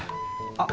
あっ！